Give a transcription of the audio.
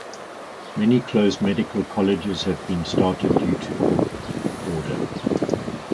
Many closed medical colleges have been started due to court order.